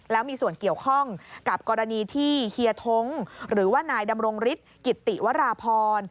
แล้วมีส่วนเกี่ยวข้องกับกรณีที่เฮียท้งหรือว่านายดำรงฤทธิกิตติวราพร